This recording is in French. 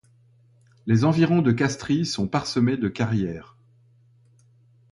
Les environs de Castries sont parsemés de carrières.